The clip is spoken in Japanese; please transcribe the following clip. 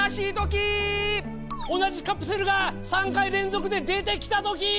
同じカプセルが３回連続で出てきたときー！